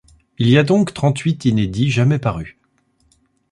Il y a donc trente-huit inédits jamais parus.